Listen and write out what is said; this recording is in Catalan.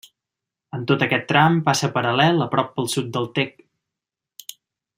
En tot aquest tram passa paral·lel a prop pel sud del Tec.